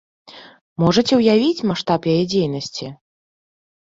Можаце ўявіць маштаб яе дзейнасці!